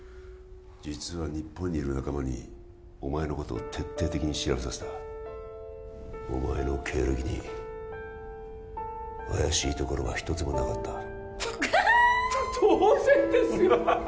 実は日本にいる仲間にお前のことを徹底的に調べさせたお前の経歴に怪しいところが一つもなかったあはは！と当然ですよ！